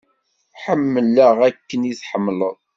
Ḥemmleɣ akken i tḥemmleḍ.